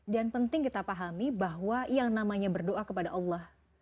dan penting kita pahami bahwa yang namanya berdoa kepada allah